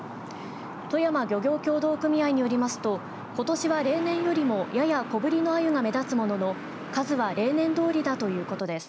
富山漁業協同組合によりますとことしは例年よりもやや小ぶりのあゆが目立つものの数は例年どおりだということです。